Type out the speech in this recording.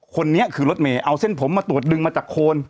คนนี้คือรถเมย์เอาเส้นผมมาตรวจดึงมาจากโคน